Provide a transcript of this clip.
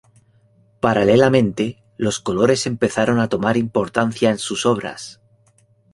Paralelamente, los colores empezaron a tomar importancia en sus obras.